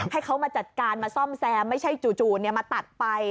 ให้เขามาจัดการมาซ่อมแซมไม่ใช่จู่มาตัดไป